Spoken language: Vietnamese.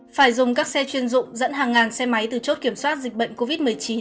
phải dùng các xe chuyên dụng dẫn hàng ngàn xe máy từ chốt kiểm soát dịch bệnh covid một mươi chín